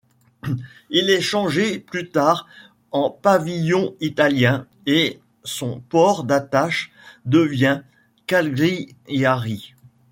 Il est changé plus tard en pavillon italien, et son port d'attache devient Cagliari.